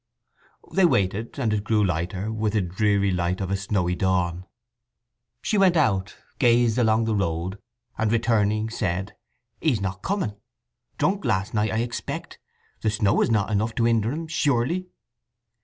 They waited, and it grew lighter, with the dreary light of a snowy dawn. She went out, gazed along the road, and returning said, "He's not coming. Drunk last night, I expect. The snow is not enough to hinder him, surely!"